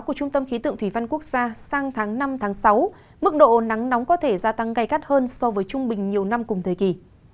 của trung tâm khí tượng thủy văn quốc gia sang tháng năm tháng sáu mức độ nắng nóng có thể gia tăng gây gắt hơn so với trung bình nhiều năm cùng thời kỳ